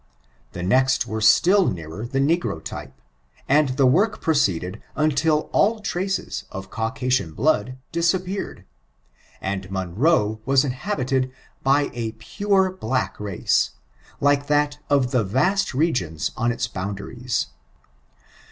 The next were still nearer tiie negro type, and the work proceeded until all traces of Caucasian blood disappeared, and Monroe was inhabited by a pure black race, like that of the vast regions on its boundaries.